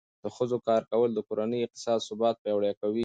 د ښځو کار کول د کورنۍ اقتصادي ثبات پیاوړی کوي.